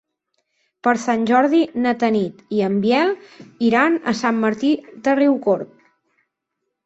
Per Sant Jordi na Tanit i en Biel iran a Sant Martí de Riucorb.